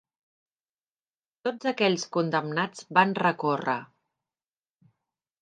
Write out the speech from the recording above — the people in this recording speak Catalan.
Tots aquells condemnats van recórrer.